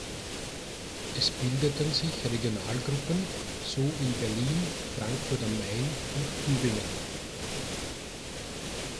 Es bildeten sich Regionalgruppen, so in Berlin, Frankfurt am Main und Tübingen.